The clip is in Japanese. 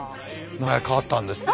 名前が変わったんですね。